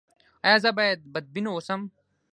ایا زه باید بدبین اوسم؟